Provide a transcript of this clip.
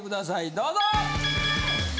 どうぞ！